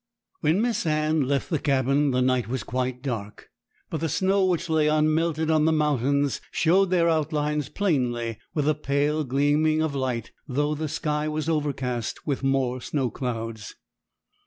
When Miss Anne left the cabin the night was quite dark but the snow which lay unmelted on the mountains showed their outlines plainly with a pale gleaming of light though the sky was overcast with more snow clouds.